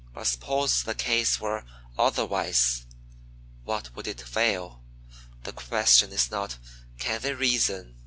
But suppose the case were otherwise, what would it avail? The question is not, Can they reason?